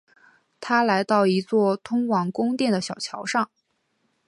他来到一座通往宫殿的小桥上。